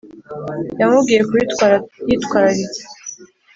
yamubwiye kubitwara yitwararitse